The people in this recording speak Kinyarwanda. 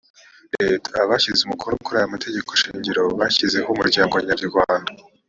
leta abashyize umukono kuri aya mategekoshingiro bashyizeho umuryango nyarwanda